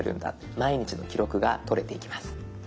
毎日の記録がとれていきます。